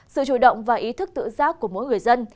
sự chủ động và ý thức tự giác của mỗi người dân